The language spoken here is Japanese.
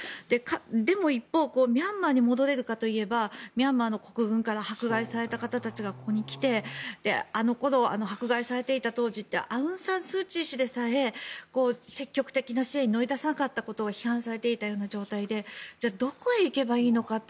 でも一方、ミャンマーに戻れるかといえばミャンマーの国軍から迫害された方たちがここに来て迫害されていた当時ってアウン・サン・スー・チー氏でさえ積極的な支援に乗り出さなかったことを批判されていたような状態でじゃあ、どこに行けばいいのかって